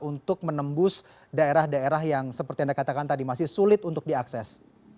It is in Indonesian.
untuk menembus daerah daerah yang seperti anda katakan tadi masih sulit untuk diakses